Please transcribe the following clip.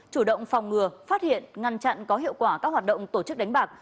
chủ động phòng ngừa phát hiện ngăn chặn có hiệu quả các hoạt động tổ chức đánh bạc